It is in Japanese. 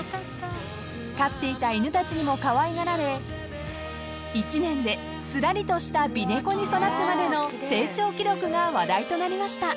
［飼っていた犬たちにもかわいがられ１年ですらりとした美猫に育つまでの成長記録が話題となりました］